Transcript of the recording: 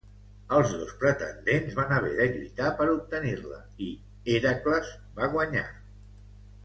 Els dos pretendents van haver de lluitar per obtenir-la, i Hèracles va guanyar.